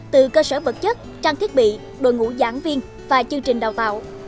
từ cơ sở vật chất trang thiết bị đội ngũ giảng viên và chương trình đào tạo